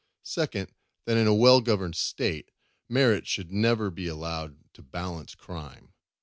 Second, that in a well governed State, merit should never be allowed to balance crime.